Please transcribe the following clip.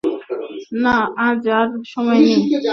না, আজ আর সময় নেই।